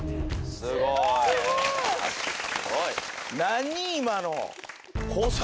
すごい。何？